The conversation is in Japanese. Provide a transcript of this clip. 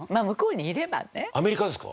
アメリカですか？